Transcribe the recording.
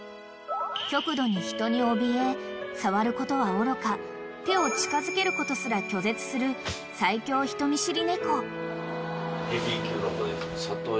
［触ることはおろか手を近づけることすら拒絶する最強人見知り猫］